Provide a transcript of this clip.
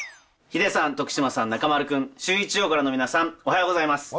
ヒデさん、徳島さん、中丸君、シューイチをご覧の皆さん、おはようございます。